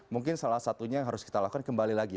mungkin salah satunya yang harus kita lakukan kembali lagi